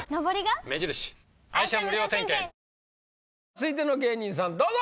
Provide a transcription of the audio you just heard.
続いての芸人さんどうぞ！